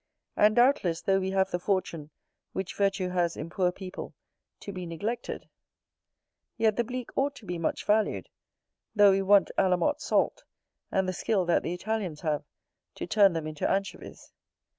And doubtless, though we have the fortune, which virtue has in poor people, to be neglected, yet the Bleak ought to be much valued, though we want Allamot salt, and the skill that the Italians have, to turn them into anchovies.